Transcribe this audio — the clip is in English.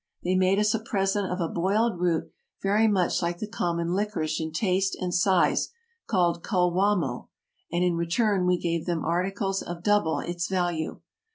They made us a present of a boiled root very much like the common licorice in taste and size, called culwhamo, and in return we gave them articles of double its value.